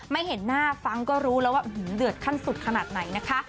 เห็นหน้าฟังก็รู้แล้วว่าเดือดขั้นสุดขนาดไหนนะคะ